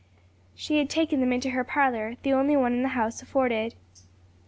She had taken them into her parlor, the only one the house afforded.